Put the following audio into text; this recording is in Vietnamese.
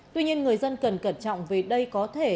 tuy nhiên người dân cần cẩn trọng vì đây có thể